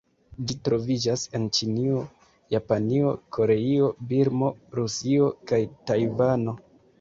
Ĝi troviĝas en Ĉinio, Japanio, Koreio, Birmo, Rusio kaj Tajvano.